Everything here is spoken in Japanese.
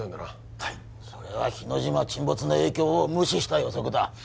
はいそれは日之島沈没の影響を無視した予測だ